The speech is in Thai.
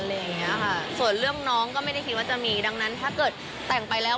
อะไรอย่างเงี้ยค่ะส่วนเรื่องน้องก็ไม่ได้คิดว่าจะมีดังนั้นถ้าเกิดแต่งไปแล้ว